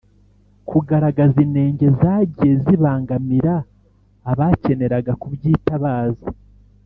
kugaragaza inenge zagiye zibangamira abakeneraga kubyitabaza